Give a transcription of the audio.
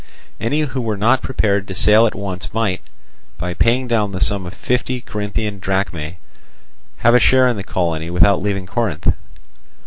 Any who were not prepared to sail at once might, by paying down the sum of fifty Corinthian drachmae, have a share in the colony without leaving Corinth.